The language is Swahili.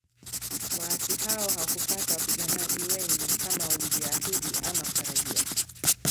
Waasi hao hawakupata wapiganaji wengi kama walivyoahidi ama kutarajia